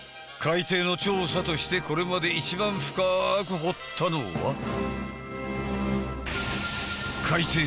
海底の調査としてこれまで一番深く掘ったのは。